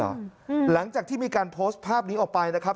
หลังจากที่มีการโพสต์ภาพนี้ออกไปนะครับ